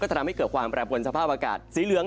ทำให้เกิดความแปรปวนสภาพอากาศสีเหลือง